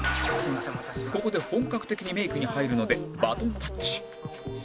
ここで本格的にメイクに入るのでバトンタッチ